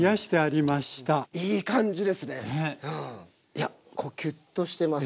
いやキュッとしてます。